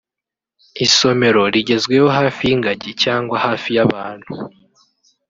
Isomero rigezweho hafi y'ingagi cyangwa hafi y'abantu